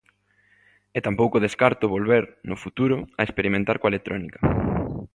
E tampouco descarto volver, no futuro a experimentar coa electrónica.